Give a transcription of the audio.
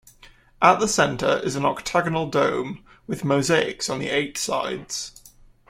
At the centre is an octagonal dome, with mosaics on the eight sides.